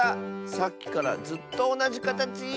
さっきからずっとおなじかたち！